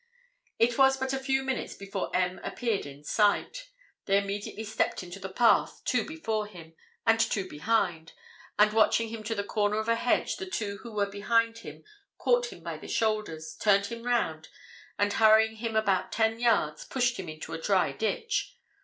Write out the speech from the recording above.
It was but a few minutes before M appeared in sight. They immediately stepped into the path, two before him, and two behind, and watching him to the corner of a hedge, the two who were behind him caught him by the shoulders, turned him round, and hurrying him about ten yards, pushed him into a dry ditch.